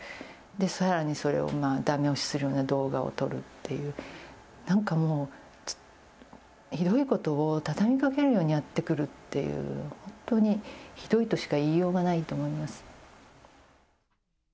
さらにそれをだめ押しするような動画を撮るっていう、なんかもうひどいことを畳みかけるようにやってくるっていう、本当にひどいとしか言いようがないと思います。